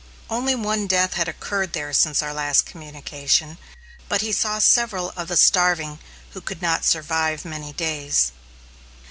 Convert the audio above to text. Only one death had occurred there since our last communication, but he saw several of the starving who could not survive many days.